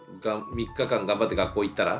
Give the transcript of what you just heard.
３日間頑張って学校行ったら？